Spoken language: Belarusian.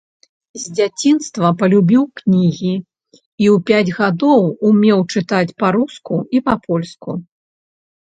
З дзяцінства палюбіў кнігі і ў пяць гадоў умеў чытаць па-руску і па-польску.